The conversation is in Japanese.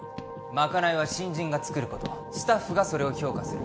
まかないは新人が作ることスタッフがそれを評価する